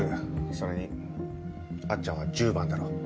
それにあっちゃんは１０番だろ？